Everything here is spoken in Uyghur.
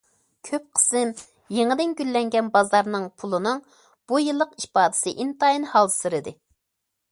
كۆپ قىسىم يېڭىدىن گۈللەنگەن بازارنىڭ پۇلىنىڭ بۇ يىللىق ئىپادىسى ئىنتايىن ھالسىرىدى.